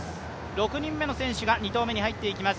６人目の選手が２投目に入っていきます。